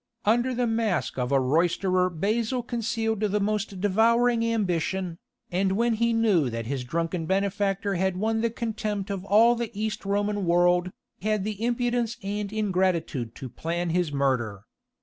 Under the mask of a roisterer Basil concealed the most devouring ambition, and when he knew that his drunken benefactor had won the contempt of all the East Roman world, had the impudence and ingratitude to plan his murder.